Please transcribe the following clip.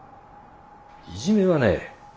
いじめはね